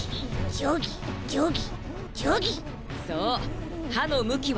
ジョギジョギ。